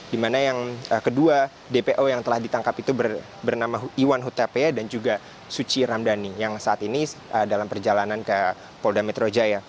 dimana yang kedua dpo yang telah ditangkap itu bernama iwan hutapea dan juga suci ramdhani yang saat ini dalam perjalanan ke polda metro jaya